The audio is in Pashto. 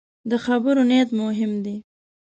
د خبرو نیت مهم دی